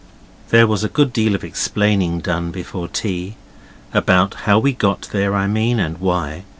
There was a good deal of explaining done before tea about how we got there, I mean, and why.